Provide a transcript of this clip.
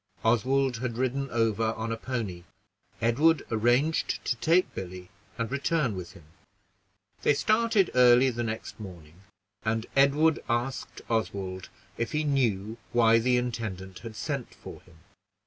Oswald had ridden over on a pony; Edward arranged to take Billy and return with him. They started early the next morning, and Edward asked Oswald if he knew why the intendant had sent for him.